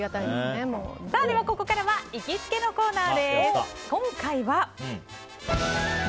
ここからは行きつけのコーナー。